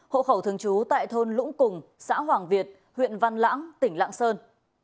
hộ khẩu thường trú tại thôn lũng cùng xã hoàng việt huyện văn lãng tỉnh lạng sơn